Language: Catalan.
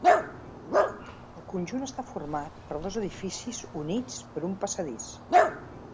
El conjunt està format per dos edificis units per un passadís.